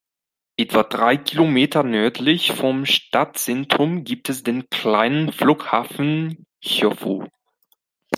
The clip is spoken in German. Etwa drei Kilometer nördlich vom Stadtzentrum gibt es den kleinen Flughafen Chōfu.